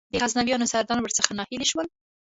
د غزنویانو سرداران ور څخه ناهیلي شول.